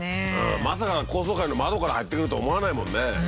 まさか高層階の窓から入ってくると思わないもんね。